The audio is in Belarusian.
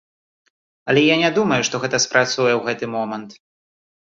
Але я не думаю, што гэта спрацуе ў гэты момант.